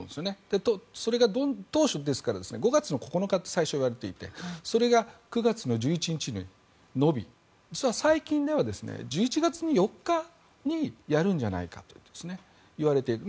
それが、当初ですから５月の９日といわれていてそれが９月１１日に延び最近では１１月４日にやるんじゃないかといわれている。